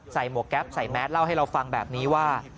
หมวกแก๊ปใส่แมสเล่าให้เราฟังแบบนี้ว่า